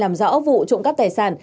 làm rõ vụ trộm cắp tài sản